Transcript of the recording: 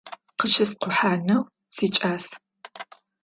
Къыщыскӏухьанэу сикӏас.